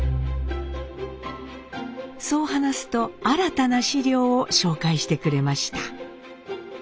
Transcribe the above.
そう話すと新たな史料を紹介してくれました。